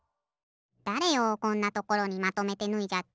だれよこんなところにまとめてぬいじゃって。